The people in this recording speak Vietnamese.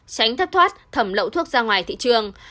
tránh thất thoát thẩm lậu thuốc ra ngoài thị trường